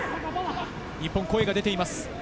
日本声が出ています。